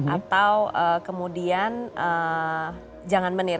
atau kemudian jangan menir